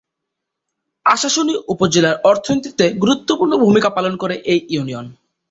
আশাশুনি উপজেলার অর্থনীতিতে গুরুত্বপূর্ণ ভূমিকা পালন করে এই ইউনিয়ন।